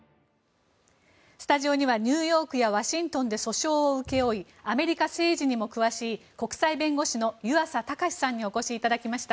スタジオにはニューヨークやワシントンで訴訟を請け負いアメリカ政治にも詳しい国際弁護士の湯浅卓さんにお越しいただきました。